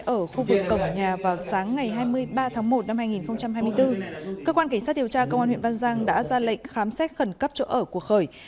ở khu vực cổng nhà vào sáng ngày hai mươi ba tháng một năm hai nghìn hai mươi bốn cơ quan cảnh sát điều tra công an huyện văn giang đã ra lệnh khám xét khẩn cấp chỗ ở của khởi